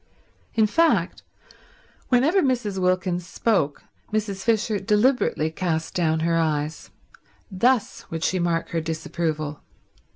In fact, whenever Mrs. Wilkins spoke Mrs. Fisher deliberately cast down her eyes. Thus would she mark her disapproval.